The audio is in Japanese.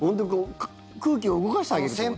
空気を動かしてあげるってこと？